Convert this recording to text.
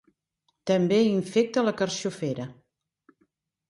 També infecta la carxofera.